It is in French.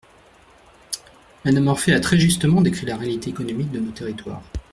Madame Orphé a très justement décrit la réalité économique de nos territoires.